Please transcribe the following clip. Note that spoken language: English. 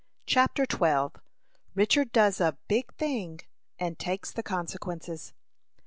CHAPTER XII. RICHARD DOES A "BIG THING," AND TAKES THE CONSEQUENCES.